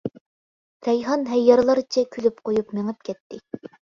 رەيھان ھەييارلارچە كۈلۈپ قويۇپ مېڭىپ كەتتى.